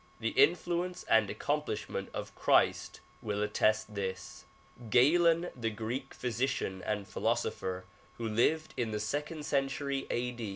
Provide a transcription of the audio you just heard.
The influence and accomplishment of Christ will attest this, Galen the Greek physician and philosopher who lived in the second century A.